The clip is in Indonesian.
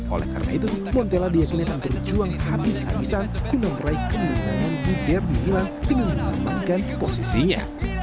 oleh karena itu montella diyakini akan berjuang habis habisan untuk menerai kemenangan di derby milan dengan mengembangkan posisinya